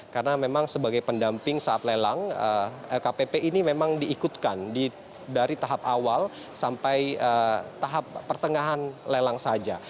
karena memang sebagai pendamping saat lelang lkpp ini memang diikutkan dari tahap awal sampai tahap pertengahan lelang saja